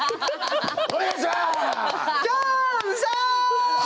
お願いします！